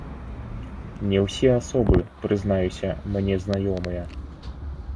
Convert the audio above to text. Не ўсе асобы, прызнаюся, мне знаёмыя.